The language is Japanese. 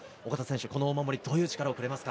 このお守り、どういう力をくれますか？